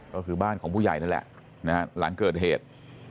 ก็คือบ้านของผู้ใหญ่นั่นแหละนะฮะหลังเกิดเหตุ